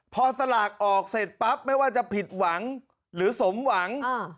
พอสลากออกเสร็จปั๊บไม่ว่าจะผิดหวังหรือสมหวัง